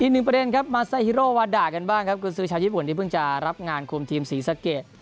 อีกหนึ่งประเด็นครับมาเซฮิโรวาดากันบ้างครับคุณซื้อชาวญี่ปุ่นที่เพิ่งจะรับงานคุมทีมศรีสะเกด